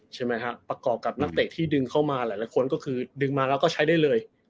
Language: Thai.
ใช่ไหมครับประกอบกับนักเตะที่ดึงเข้ามาหลายคนก็คือดึงมาแล้วก็ใช้ได้เลย